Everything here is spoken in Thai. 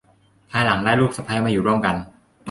ภายหลังได้ลูกสะใภ้มาอยู่ร่วมกัน